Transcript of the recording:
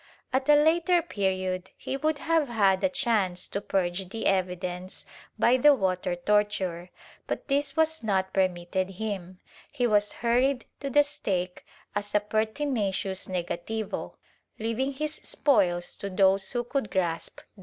At a later period he would have had a chance to purge the evidence by the water torture, but this was not permitted him; he was hurried to the stake as a pertinacious negativo, leaving his spoils to those who could grasp them.